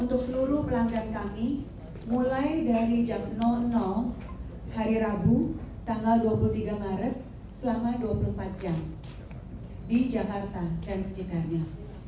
untuk seluruh pelanggan kami mulai dari jam hari rabu tanggal dua puluh tiga maret selama dua puluh empat jam di jakarta dan sekitarnya